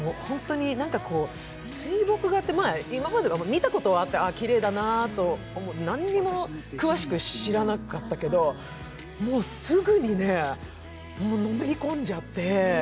水墨画って、今まで見たことはあってきれいだなと思って、何も詳しく知らなかったけど、もうすぐに、のめり込んじゃって。